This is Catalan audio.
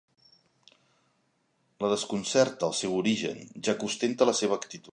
La desconcerta, el seu origen, ja que ostenta la seva actitud.